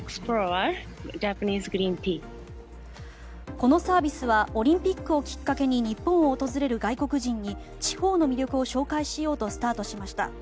このサービスはオリンピックをきっかけに日本を訪れる外国人に地方の魅力を紹介しようとスタートしました。